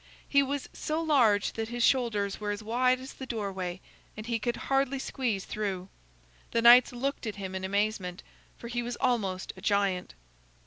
He was so large that his shoulders were as wide as the doorway, and he could hardly squeeze through. The knights looked at him in amazement, for he was almost a giant.